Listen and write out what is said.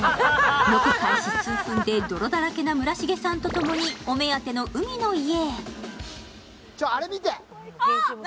ロケ開始数分で泥だらけな村重さんと共にお目当ての海の家へ。